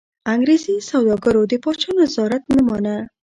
انګرېزي سوداګرو د پاچا نظارت نه مانه.